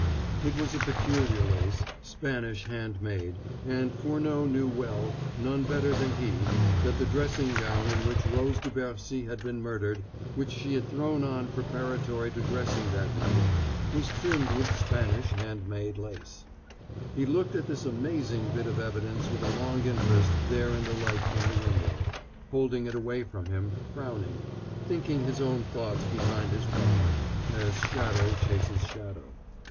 It was a peculiar lace, Spanish hand made, and Furneaux knew well, none better than he, that the dressing gown in which Rose de Bercy had been murdered, which she had thrown on preparatory to dressing that night, was trimmed with Spanish hand made lace. He looked at this amazing bit of evidence with a long interest there in the light from the window, holding it away from him, frowning, thinking his own thoughts behind his brow, as shadow chases shadow.